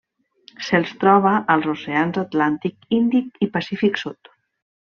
Se'ls troba als oceans atlàntic, Índic i Pacífic sud.